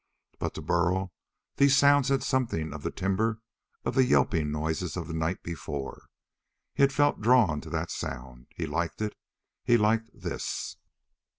But to Burl these sounds had something of the timbre of the yelping noises of the night before. He had felt drawn to that sound. He liked it. He liked this.